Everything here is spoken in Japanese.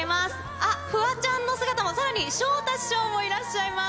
あっ、フワちゃんの姿も、さらに昇太師匠もいらっしゃいます。